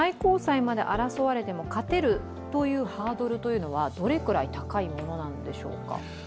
勝てるというハードルというのはどれくらい高いものなんでしょうか。